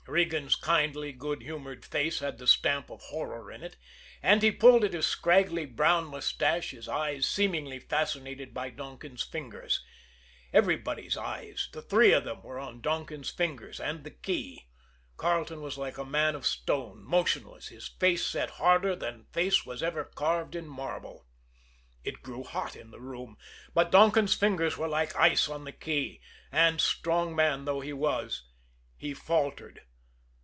Regan's kindly, good humored face had the stamp of horror in it, and he pulled at his scraggly brown mustache, his eyes seemingly fascinated by Donkin's fingers. Everybody's eyes, the three of them, were on Donkin's fingers and the key. Carleton was like a man of stone, motionless, his face set harder than face was ever carved in marble. It grew hot in the room; but Donkin's fingers were like ice on the key, and, strong man though he was, he faltered.